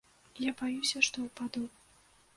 Я баюся, што ўпаду.